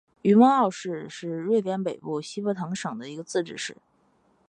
于默奥市是瑞典北部西博滕省的一个自治市。